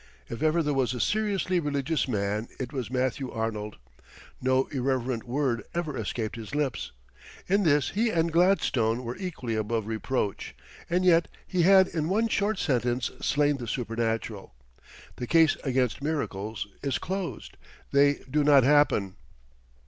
If ever there was a seriously religious man it was Matthew Arnold. No irreverent word ever escaped his lips. In this he and Gladstone were equally above reproach, and yet he had in one short sentence slain the supernatural. "The case against miracles is closed. They do not happen."